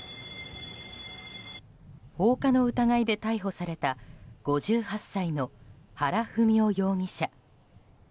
放火の疑いで逮捕された５８歳の原文雄容疑者。